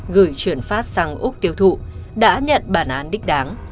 gửi chuyển phát sang úc tiêu thụ đã nhận bản án đích đáng